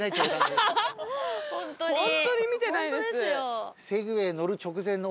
ホントに見てないです。